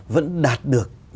vẫn đạt được